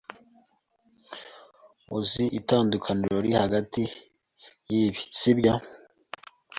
Uzi itandukaniro riri hagati yibi, sibyo?